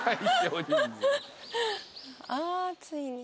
ああついに。